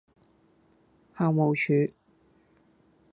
校務處